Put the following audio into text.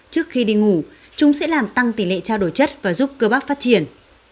trước khi đi ngủ chúng sẽ làm tăng tỷ lệ trao đổi chất và giúp cơ bác phát triển